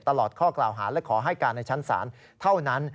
ตลอดข้อกล่าวหาและขอให้การในชั้นศาลเท่านั้น